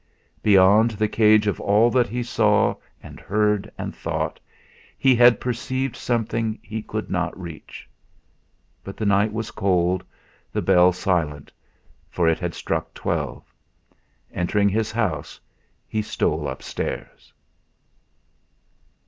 Beyond the cage of all that he saw and heard and thought, he had perceived something he could not reach. But the night was cold, the bells silent, for it had struck twelve. Entering his house, he stole upstairs.